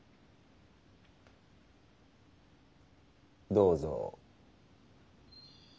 どうぞ。